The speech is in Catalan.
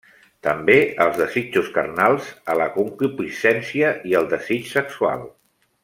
També als desitjos carnals, a la concupiscència i al desig sexual.